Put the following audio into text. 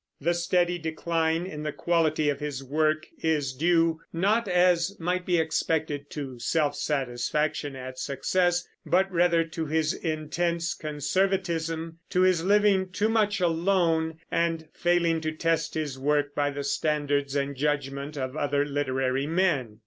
The steady decline in the quality of his work is due not, as might be expected, to self satisfaction at success, but rather to his intense conservatism, to his living too much alone and failing to test his work by the standards and judgment of other literary men.